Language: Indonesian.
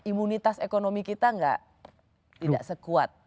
imunitas ekonomi kita tidak sekuat